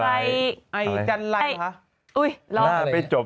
ใส่ละเหรอครับอุ๊ยล่ะไม่จบ